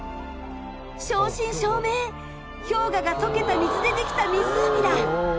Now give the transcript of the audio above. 正真正銘氷河が溶けた水でできた湖だ！